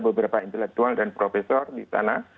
beberapa intelektual dan profesor di sana